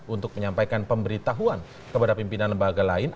untuk menyampaikan pemberitahuan kepada pimpinan lembaga lain